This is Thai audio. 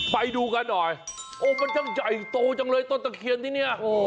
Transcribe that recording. ไปดูกันหน่อยโอ้มันยังใหญ่โตจังเลยต้นตะเคียนที่นี่